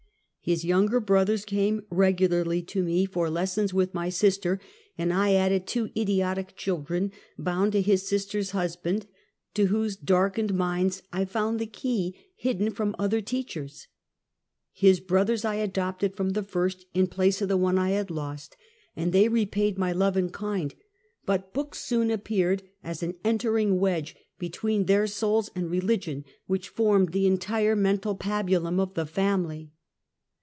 His younger brothers came regularly to me for Deliveker of the Dakk ISTight. 43 lessons with inj sister, and I added two idiotic children bound to his sister's husband, to whose darkened minds I found the key hidden from other teachers. His brothers 1 adopted from the first, in place of the one I had lost, and they repaid my love in kind; but books soon appeared as an entering wedge between their souls and religion, which formed the entire men tal pabulum of the family.